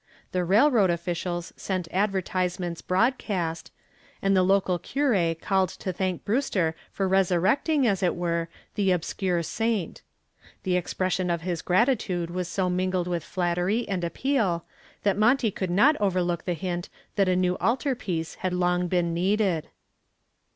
The railroad officials sent advertisements broadcast, and the local cure called to thank Brewster for resurrecting, as it were, the obscure saint. The expression of his gratitude was so mingled with flattery and appeal that Monty could not overlook the hint that a new altar piece had long been needed.